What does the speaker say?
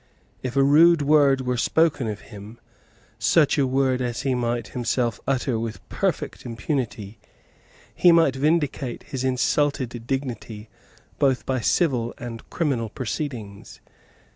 If a rude word were spoken of him, such a word as he might himself utter with perfect impunity, he might vindicate his insulted dignity both by civil and criminal proceedings.